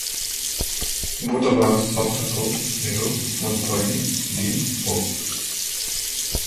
बुधबार हप्ताको मेरो मनपर्ने दिन हो।